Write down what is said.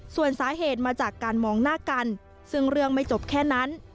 ส่วนสาเหตุมาจากการมองหน้ากันซึ่งเรื่องไม่จบแค่นั้น